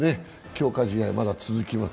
強化試合はまだ続きます。